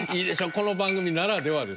この番組ならではです。